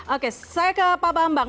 oke saya ke pak bambang